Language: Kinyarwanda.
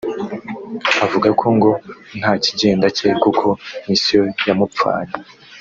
avuga ko ngo nta kigenda cye kuko misiyo yamupfanye